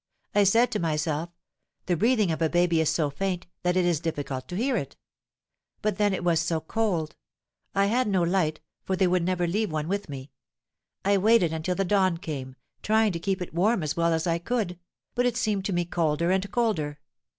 I said to myself, 'The breathing of a baby is so faint that it is difficult to hear it.' But then it was so cold. I had no light, for they never would leave one with me. I waited until the dawn came, trying to keep it warm as well as I could; but it seemed to me colder and colder.